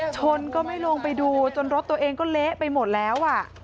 ชนก็ไม่ลงไปดูจนรถตัวเองก็เละไปหมดแล้วอ่ะ